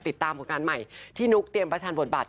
ติดตามกับการใหม่ที่นุกเตรียมประชาญบทบัตร